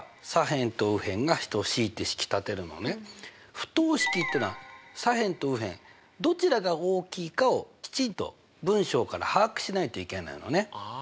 不等式ってのは左辺と右辺どちらが大きいかをきちんと文章から把握しないといけないのね。